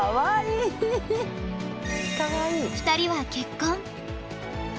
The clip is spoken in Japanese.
２人は結婚。